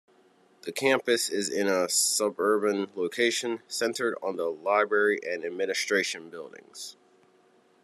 The campus is in a suburban location, centred on the library and administration buildings.